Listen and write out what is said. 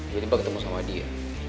tiba tiba ketemu sama dia